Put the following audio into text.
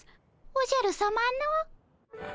おじゃるさまの？